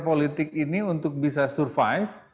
politik ini untuk bisa survive